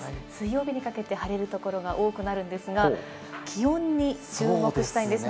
水曜日にかけて晴れる所が多くなるんですが、気温に注目したいんです。